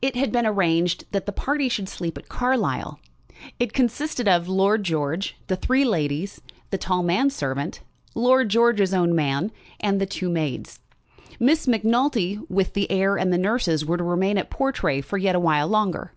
It had been arranged that the party should sleep at Carlisle. It consisted of Lord George, the three ladies, the tall man servant, Lord George's own man, and the two maids. Miss Macnulty, with the heir and the nurses, were to remain at Portray for yet a while longer.